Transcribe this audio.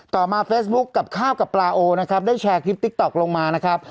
ต่อมาเฟซบุ๊คกับข้าวกับปลาโอนะครับได้แชร์คลิปติ๊กต๊อกลงมานะครับ